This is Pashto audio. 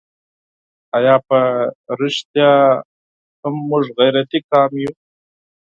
آیا په رښتیا هم موږ غیرتي قوم یو؟